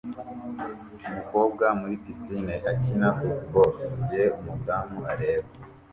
Umukobwa muri pisine akina football mugihe umudamu areba